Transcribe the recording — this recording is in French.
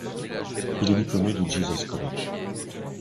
Il est diplômé du Jesus College.